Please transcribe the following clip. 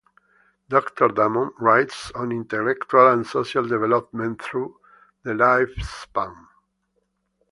Doctor Damon writes on intellectual and social development through the lifespan.